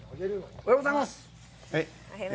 おはようございます。